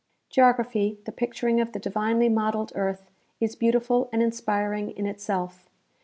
Geography, the picturing of the divinely modeled earth, is beautiful and inspiring in itself.